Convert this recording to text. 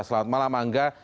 selamat malam angga